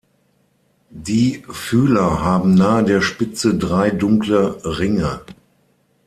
Die Fühler haben nahe der Spitze drei dunkle Ringe.